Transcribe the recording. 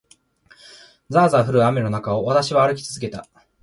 ざあざあ降る雨の中を、私は歩き続けた。